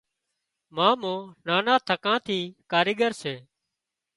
مامو نانان ٿڪان ٿي ڪاريڳر سي